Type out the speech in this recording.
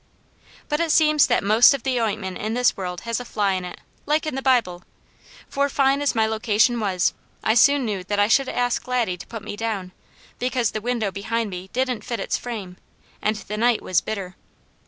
But it seems that most of the ointment in this world has a fly in it, like in the Bible, for fine as my location was, I soon knew that I should ask Laddie to put me down, because the window behind me didn't fit its frame, and the night was bitter.